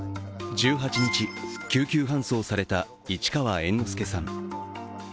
１８日、救急搬送された市川猿之助さん。